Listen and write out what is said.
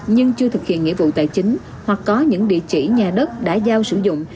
nhưng chưa thực hiện nghĩa vụ tài chính hoặc có những địa chỉ nhà đất đã giao sử dụng